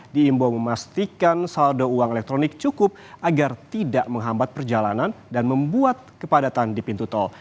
diimbau memastikan saldo uang elektronik cukup agar tidak menghambat perjalanan dan membuat kepadatan di pintu tol